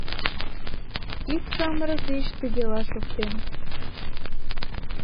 Ик самырык деч тыгела шоктен: